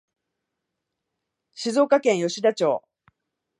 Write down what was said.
静岡県吉田町